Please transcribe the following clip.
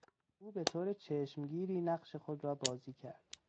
او به طور چشمگیری نقش خود را بازی کرد.